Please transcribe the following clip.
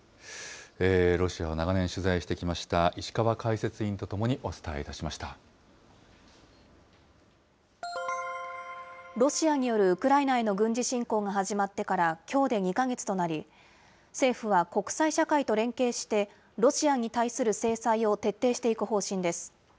ロシアを長年取材してきました石川解説委員と共にお伝えいたロシアによるウクライナへの軍事侵攻から始まってからきょうで２か月となり、政府は国際社会と連携して、ロシアに対する制裁を徹底していく方針です。